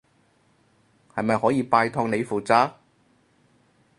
係咪可以拜託你負責？